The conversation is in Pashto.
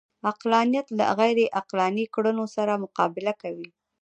عقلانیت له غیرعقلاني کړنو سره مقابله کوي